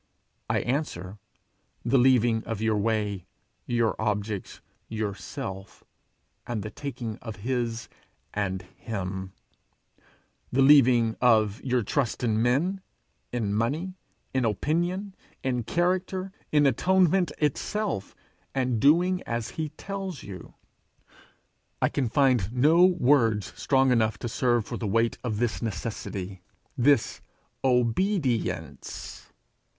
I answer, The leaving of your way, your objects, your self, and the taking of his and him; the leaving of your trust in men, in money, in opinion, in character, in atonement itself, and doing as he tells you. I can find no words strong enough to serve for the weight of this necessity this obedience.